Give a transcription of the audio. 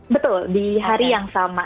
betul di hari yang sama